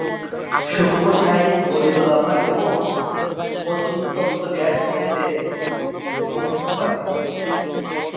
সূক্ষ্ম ছাই, গলিত লাভা এবং অতি উত্তপ্ত গ্যাস গতিতে প্রবাহিত পারে।